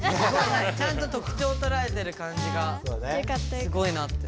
ちゃんと特ちょうをとらえてるかんじがすごいなって。